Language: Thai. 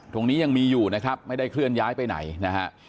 ตรงนี้ยังมีอยู่นะครับไม่ได้เคลื่อนย้ายไปไหนนะฮะ